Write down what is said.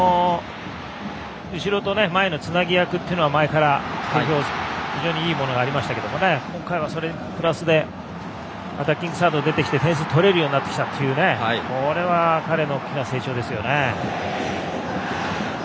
後ろと前のつなぎ役というのは前から非常にいいものがありましたけど今回はそれプラスでアタッキングサードに出てきてとれるようになってきたというのはこれは彼の大きな成長です。